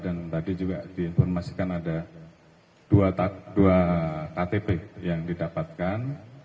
dan tadi juga diinformasikan ada dua ktp yang didapatkan